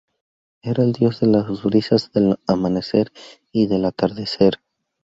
Era el dios de las brisas del amanecer y del atardecer.